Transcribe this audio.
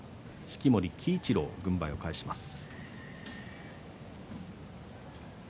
式守鬼一郎軍配を返します。